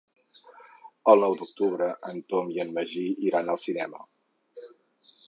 El nou d'octubre en Tom i en Magí iran al cinema.